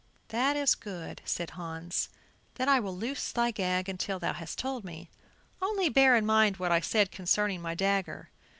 "That is good," said Hans, "then I will loose thy gag until thou hast told me; only bear in mind what I said concerning my dagger."